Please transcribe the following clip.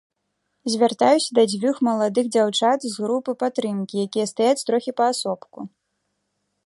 Звяртаюся да дзвюх маладых дзяўчат з групы падтрымкі, якія стаяць трохі паасобку.